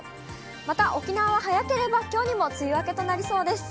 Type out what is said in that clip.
また、沖縄は早ければ、きょうにも梅雨明けとなりそうです。